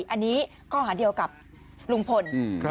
อันนี้ข้อหาเดียวกับลุงพล